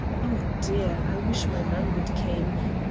Oh Dear! I wish my man would came!